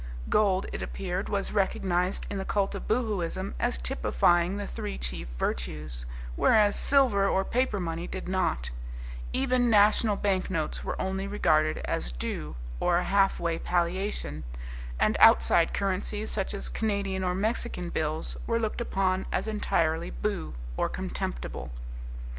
Gold, it appeared, was recognized in the cult of Boohooism as typifying the three chief virtues, whereas silver or paper money did not; even national banknotes were only regarded as do or, a halfway palliation; and outside currencies such as Canadian or Mexican bills were looked upon as entirely boo, or contemptible.